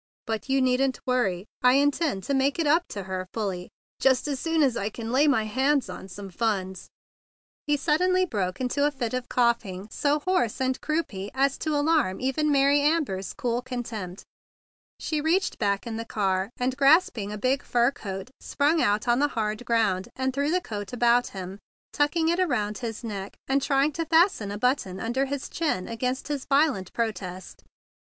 But you needn't worry. I intend to make it up to her fully just as soon as I can lay hands on some funds—" He suddenly broke into a fit of coughing so hoarse and croupy as to alarm even Mary Amber's cool con¬ tempt. She reached back in the car, and, grasping a big fur coat, sprang out on the hard ground, and threw the coat about him, tucking it around his neck and trying to fasten a button under his chin against his violent protest.